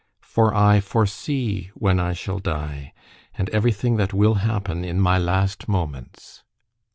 For I foresee when I shall die, and everything that will happen in my last moments.